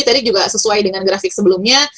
tadi juga sesuai dengan grafik sebelumnya